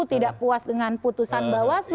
tidak puas dengan putusan bawaslu